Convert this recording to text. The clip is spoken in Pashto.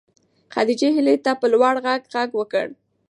خدیجې هیلې ته په لوړ غږ غږ وکړ.